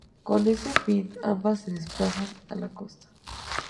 Con ese fin, ambas se desplazan a la costa.